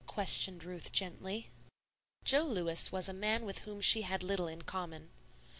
questioned Ruth, gently. Jo Lewis was a man with whom she had little in common.